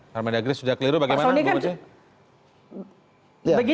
permendagri sudah keliru bagaimana